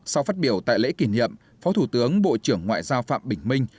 sau phát biểu tại lễ kỷ niệm phó thủ tướng bộ trưởng ngoại giao phạm bình minh